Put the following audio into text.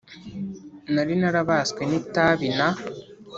Nari narabaswe n itabi na